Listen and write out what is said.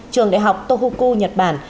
trường đại học tohoku nhật bản